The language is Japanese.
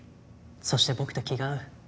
そして僕と気が合う。